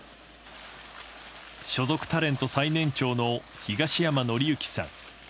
所属タレント最年長の東山紀之さん。